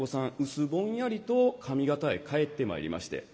薄ぼんやりと上方へ帰ってまいりまして。